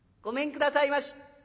ごめんくださいまし」。